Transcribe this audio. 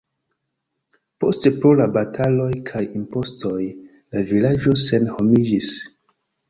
Poste pro la bataloj kaj impostoj la vilaĝo senhomiĝis.